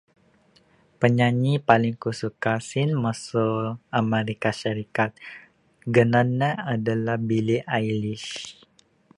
Penyanyi paling ku suka sien mesu American Syarikat, ganan ne adalah Bili Ailece